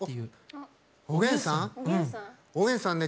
おげんさんね